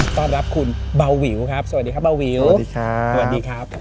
สวัสดีครับเบาวิวสวัสดีครับเบาวิวสวัสดีครับ